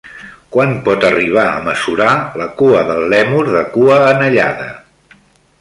Quan pot arribar a mesurar la cua del lèmur de cua anellada?